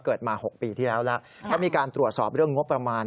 มา๖ปีที่แล้วแล้วก็มีการตรวจสอบเรื่องงบประมาณ